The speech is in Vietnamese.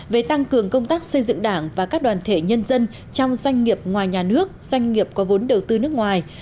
về tăng cường công tác xây dựng đảng và các đoàn thể nhân dân trong doanh nghiệp ngoài nhà nước doanh nghiệp có vốn đầu tư nước ngoài